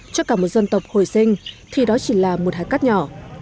cho cả một dân tộc hồi sinh thì đó chỉ là một hạt cắt nhỏ